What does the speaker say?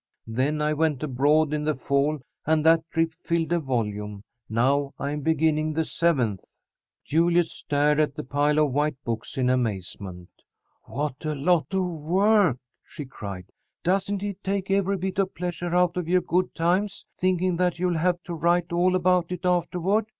Then I went abroad in the fall, and that trip filled a volume. Now I am beginning the seventh." Juliet stared at the pile of white books in amazement. "What a lot of work!" she cried. "Doesn't it take every bit of pleasure out of your good times, thinking that you'll have to write all about it afterward?